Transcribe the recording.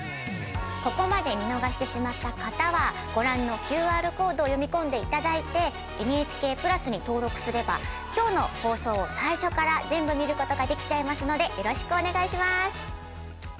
ここまで見逃してしまった方はご覧のＱＲコードを読み込んで頂いて「ＮＨＫプラス」に登録すれば今日の放送を最初から全部見ることができちゃいますのでよろしくお願いします。